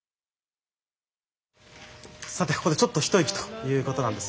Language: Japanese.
さてここでちょっと一息ということなんです。